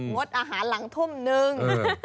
งดอาหารหลังทุ่มนึง